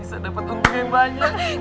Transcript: bisa dapat untung yang banyak